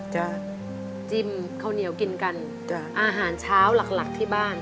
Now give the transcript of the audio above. จะจิ้มข้าวเหนียวกินกันจ้ะอาหารเช้าหลักหลักที่บ้าน